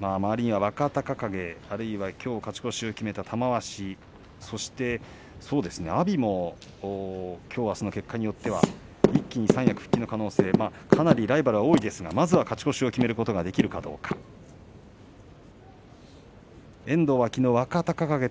周りには若隆景、あるいはきょう勝ち越しを決めた玉鷲そして阿炎も、きょう、あすの結果によっては一気に三役復帰の可能性もあってかなりライバルが多いですがまずは勝ち越しを決めることができるかどうか逸ノ城。